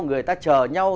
người ta chờ nhau